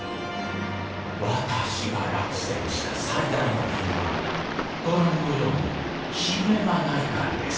「私が落選した最大の理由はご覧のようにひげがないからです」。